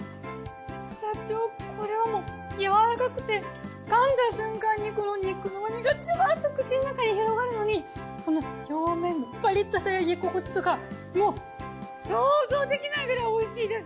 社長これはもうやわらかくて噛んだ瞬間にこの肉の旨みがジュワッと口の中に広がるのにこの表面のパリッとした焼き心地とかもう想像できないくらいおいしいです！